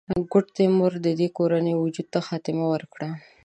ګوډ تیمور د دې کورنۍ وجود ته خاتمه ورکړه.